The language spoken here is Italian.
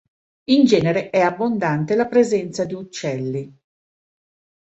In genere è abbondante la presenza di uccelli.